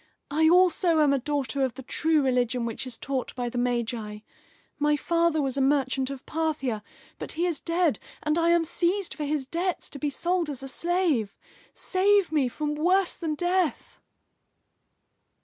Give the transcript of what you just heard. I also am a daughter of the true religion which is taught by the Magi. My father was a merchant of Parthia, but he is dead, and I am seized for his debts to be sold as a slave. Save me from worse than death!"